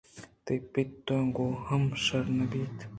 تئی پت ءَ گوں ہم شر نہ بیت